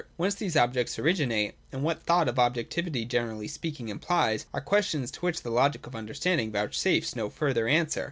Whence these objects originate, and what the thought of objectivity generally speaking implies, are questions to which the Logic of Understanding vouchsafes no further answer.